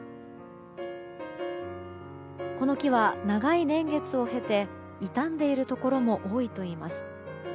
この木は長い年月を経て痛んでいるところも多いといいます。